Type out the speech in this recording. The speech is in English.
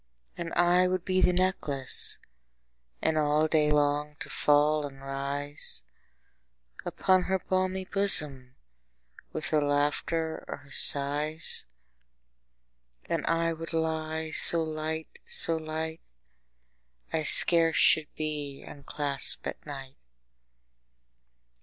And I would be the necklace, And all day long to fall and rise Upon her balmy bosom, 15 With her laughter or her sighs: And I would lie so light, so light, I scarce should be unclasp'd at night.